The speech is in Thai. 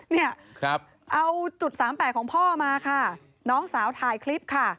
เนี่ยเอาจุดสามแปดของพ่อมาค่ะน้องสาวถ่ายคลิปค่ะ